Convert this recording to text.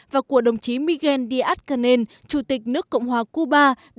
và của đồng chí miguel díaz canel chủ tịch nước cộng hòa cuba